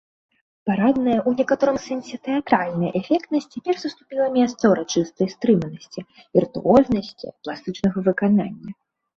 Парадная, у некаторым сэнсе тэатральная эфектнасць цяпер саступіла месца ўрачыстай стрыманасці, віртуознасці пластычнага выканання.